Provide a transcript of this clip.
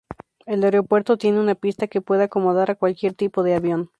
El aeropuerto tiene una pista que puede acomodar a cualquier tipo de avión.